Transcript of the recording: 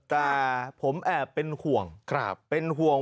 แต่ผมแอบเป็นห่วง